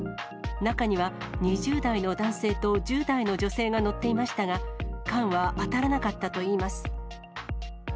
中には、２０代の男性と１０代の女性が乗っていましたが、缶は当たらなかったといいます。